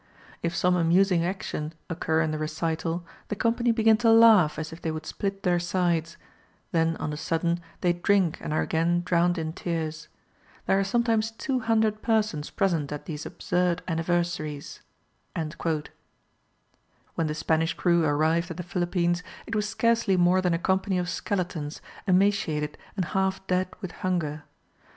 If some amusing action occur in the recital, the company begin to laugh as if they would split their sides; then on a sudden they drink and are again drowned in tears. There are sometimes two hundred persons present at these absurd anniversaries." When the Spanish crew arrived at the Philippines, it was scarcely more than a company of skeletons, emaciated and half dead with hunger.